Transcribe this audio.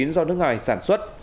do nước ngoài sản xuất